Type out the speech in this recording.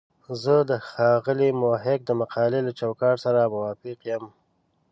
زه د ښاغلي محق د مقالې له چوکاټ سره موافق یم.